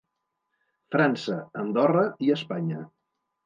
França, Andorra i Espanya.